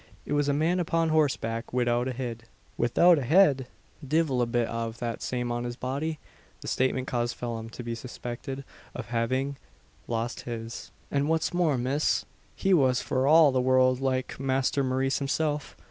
It was a man upon horseback widout a hid." "Without a head!" "Divil a bit av that same on his body." The statement caused Phelim to be suspected of having lost his. "An' what's more, miss, he was for all the world like Masther Maurice himself.